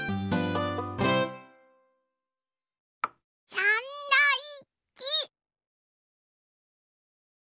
サンドイッチ。